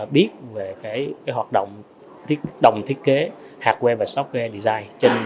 biết về cái hoạt động đồng thiết kế hardware và software design